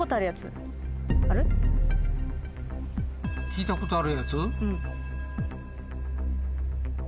聞いたことあるやつ？